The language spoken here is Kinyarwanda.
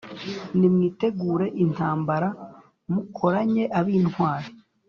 Nimwitegure intambara! Mukoranye ab’intwari!